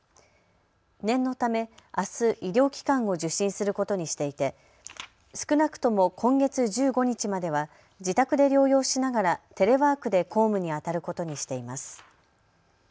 念のため、あす医療機関を受診することにしていて少なくとも今月１５日までは自宅で療養しながらテレワークで公務にあたることにしています。